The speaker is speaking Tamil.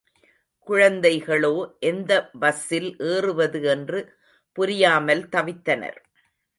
குழந்தைகளோ எந்தப் பஸ்ஸில் ஏறுவது என்று புரியாமல் தவித்தனர்.